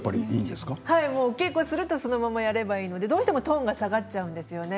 稽古のとおりにやればいいのでどうしてもトーンが下がっちゃうんですよね。